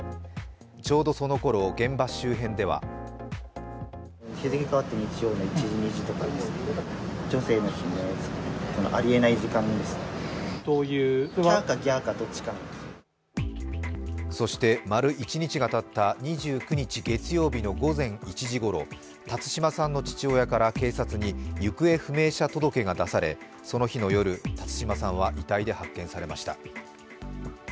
ちょうどそのころ、現場周辺ではそして丸一日がたった２９日月曜日の午前１時ごろ辰島さんの父親から警察に行方不明者届が出されその日の夜、辰島さんは遺体で発見されました。